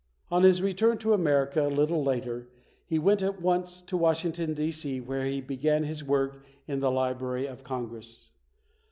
On his return to America a little later, he went at once to Washington, D. C., where he began his work in the Library of Congress.